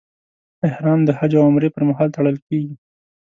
احرام د حج او عمرې پر مهال تړل کېږي.